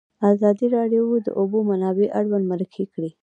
ازادي راډیو د د اوبو منابع اړوند مرکې کړي.